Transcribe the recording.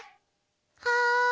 はい。